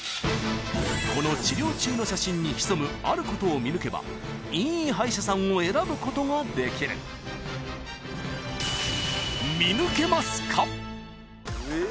［この治療中の写真に潜むあることを見抜けばいい歯医者さんを選ぶことができる］え！？